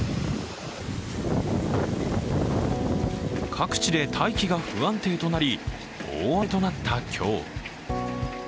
各地で大気が不安定となり大荒れとなった今日。